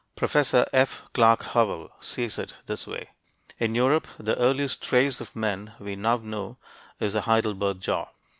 Professor F. Clark Howell sees it this way. In Europe, the earliest trace of men we now know is the Heidelberg jaw.